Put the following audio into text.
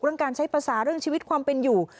การใช้ภาษาเรื่องชีวิตความเป็นอยู่